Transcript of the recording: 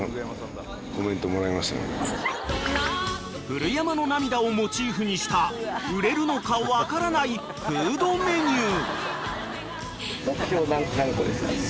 ［古山の涙をモチーフにした売れるのか分からないフードメニュー］